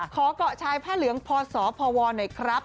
ขอเกาะชายผ้าเหลืองพศพวหน่อยครับ